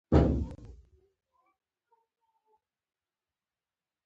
ایا ستاسو کیلي به موجوده نه وي؟